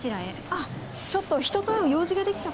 あっちょっと人と会う用事が出来たとか。